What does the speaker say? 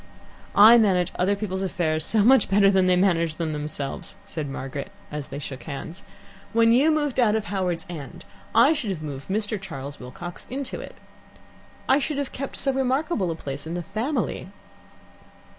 "I manage other people's affairs so much better than they manage them themselves," said Margaret as they shook hands. "When you moved out of Howards End, I should have moved Mr. Charles Wilcox into it. I should have kept so remarkable a place in the family."